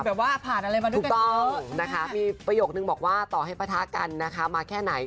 แบบว่าผ่านอะไรมาด้วยถูกต้องนะคะมีประโยคนึงบอกว่าต่อให้ปะทะกันนะคะมาแค่ไหน